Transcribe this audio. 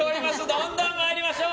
どんどん参りましょう！